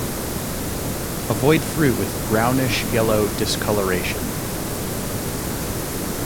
Avoid fruit with brownish-yellow discoloration.